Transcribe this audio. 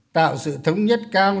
tạo sự thống nhất cao